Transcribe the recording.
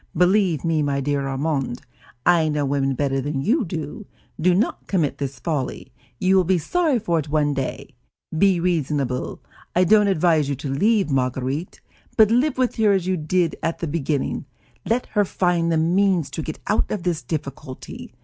Believe me, my dear Armand, I know women better than you do; do not commit this folly; you will be sorry for it one day. Be reasonable. I don't advise you to leave Marguerite, but live with her as you did at the beginning. Let her find the means to get out of this difficulty.